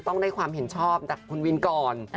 ต้องได้ความเห็นชอบจากคุณวินก่อน